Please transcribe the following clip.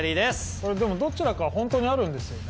これでもどちらかはほんとにあるんですよね？